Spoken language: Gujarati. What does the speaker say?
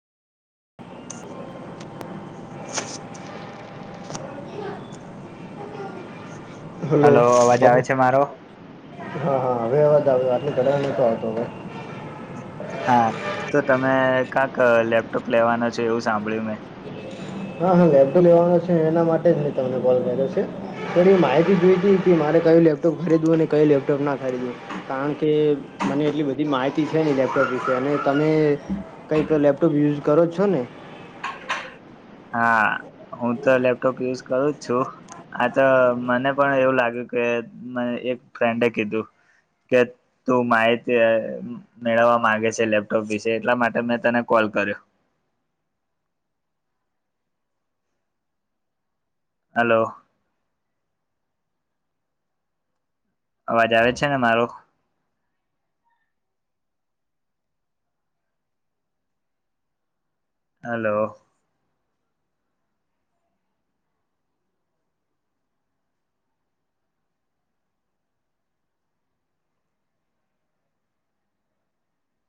હલો, અવાજ આવે છે મારો હા, હા, હવે અવાજ આવે? વાતની કરવા ના આવતો, હવે. હા, તો તમે ક્યાંક લેપટોપ લેવાનો છે, એવું સાંભળ્યું મેં. હા, હા, લેબ તો લેવાનો છે, એના માટે જ મેં તમને કોલ કર્યો છે. સર એ માહિતી જોઈ હતી કે, મારે કયું લેપટોપ ખરીદવું? ને કયું લેપટોપ ના ખરીદવું. કારણ કે મને એટલી બધી માહિતી છે ને, લેપટોપ વિશે અને તમે- - કંઈક લેપટોપ યુઝ કરો છો ને? હા, હું તો લેપટોપ યુઝ કરું જ છું. આ તો મને પણ એવું લાગ્યું કે, એક ફ્રેન્ડે કીધું કે- - તું માહિતી મેળવવા માંગે છે, લેપટોપ વિશે એટલા માટે મેં તને કોલ કર્યો. હલો. અવાજ આવે છે ને મારો? હલો.